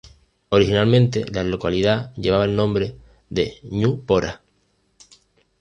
Originalmente, la localidad llevaba el nombre de "Ñu Pora".